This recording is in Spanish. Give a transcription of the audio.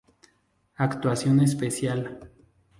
Actuación Especial